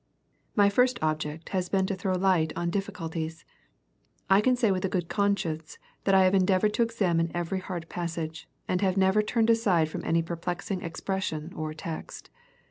iv PBEFACE. 1. My first object has been to throw light on difficul ties. I can say with a good conscience that I have en deavored to examine every hard passage, and have never turned aside from any perplexing expression or text.